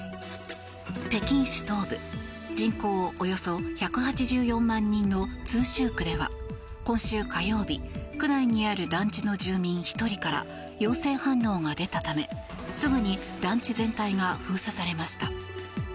北京市東部、人口およそ１８４万人の通州区では今週火曜日区内にある団地の住民１人から陽性反応が出たためすぐに団地全体が封鎖されました。